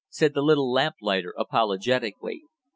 said the little lamplighter apologetically.